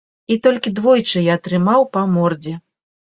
І толькі двойчы я атрымаў па мордзе.